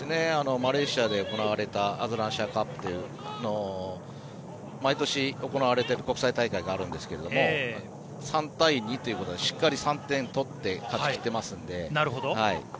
マレーシアで行われた毎年行われている国際大会があるんですが３対２ということでしっかり３点取って勝ち切ってますので。